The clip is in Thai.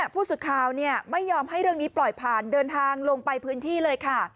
ผู้สื่อข่าวไม่ยอมให้เรื่องนี้ปล่อยผ่านเดินทางลงไปพื้นที่เลยค่ะ